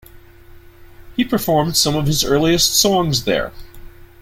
He performed some of his earliest songs there.